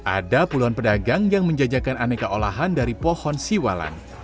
ada puluhan pedagang yang menjajakan aneka olahan dari pohon siwalan